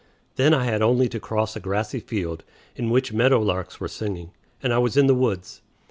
Then I had only to cross a grassy field, in which meadow larks were singing, and I was in the woods.